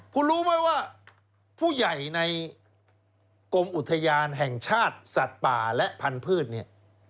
คุณรู้ไหมว่าผู้ใหญ่ในกรมอุทยานแห่งชาติสัตว์ป่าและพันธุ์เนี่ย